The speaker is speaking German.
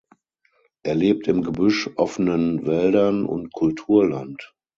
Er lebt im Gebüsch, offenen Wäldern und Kulturland.